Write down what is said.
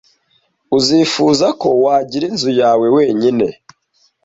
Uzifuza ko wagira inzu yawe wenyine.